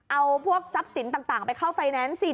เอาพวกทรัพย์สินต่างไปเข้าไฟแนนซ์สิ